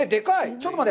ちょっと待って！